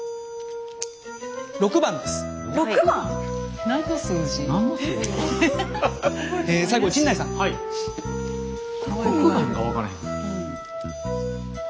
６番が分からへん。